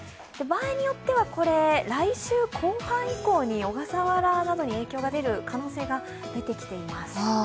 場合によってはこれ、来週後半以降に小笠原などに影響が出る可能性が出てきています。